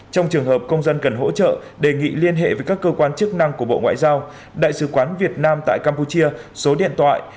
trong trường hợp công dân cần hỗ trợ đề nghị liên hệ với các cơ quan chức năng của bộ ngoại giao đại sứ quán việt nam tại campuchia số điện thoại